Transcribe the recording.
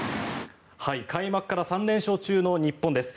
開幕から３連勝中の日本です。